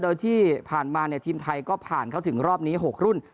โดยที่ผ่านมาทีมไทยก็ผ่านเข้าถึงรอบนี้๖รุ่น